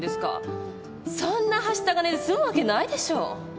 そんなはした金で済むわけないでしょ。